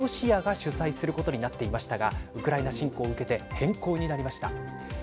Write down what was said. もともとロシアが主催することになっていましたがウクライナ侵攻を受けて変更になりました。